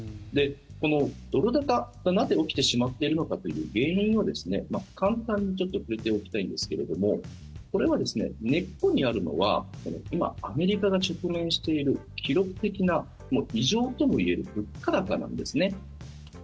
このドル高がなぜ起きてしまっているのかという原因を簡単にちょっと触れておきたいんですけれどもこれは根っこにあるのは今、アメリカが直面している記録的な、異常ともいえる物価高なんですね。